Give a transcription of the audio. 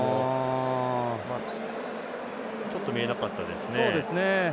ちょっと見えなかったですね。